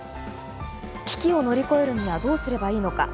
危機を乗り越えるにはどうすればいいのか。